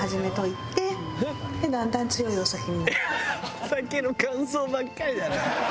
お酒の感想ばっかりだな。